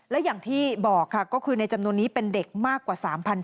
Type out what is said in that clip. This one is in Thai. และอย่างที่บอกค่ะก็คือในจำนวนนี้เป็นเด็กมากกว่า๓๐๐คน